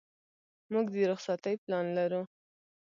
موږ د رخصتۍ پلان لرو.